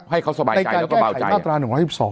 ให้เขาสบายใจแล้วก็เบาใจ